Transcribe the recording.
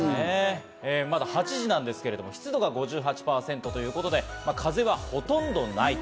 まだ８時なんですが、湿度が５８％ということで、風はほとんどない。